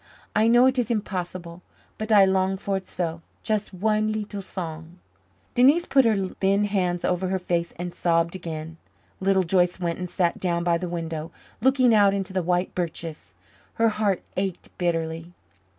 I know it is impossible but I long for it so just one leetle song." Denise put her thin hands over her face and sobbed again. Little Joyce went and sat down by the window, looking out into the white birches. Her heart ached bitterly.